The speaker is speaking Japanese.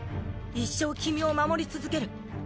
一生君を守り続ける。